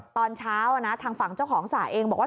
ตอนเช้าทางฝั่งเจ้าของสระเองบอกว่า